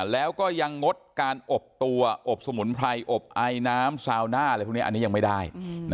แล้วก็ยังงดการอบตัวอบสมุนไพรอบไอน้ำซาวน่าอะไรพวกนี้อันนี้ยังไม่ได้